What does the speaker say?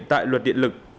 tại luật điện lực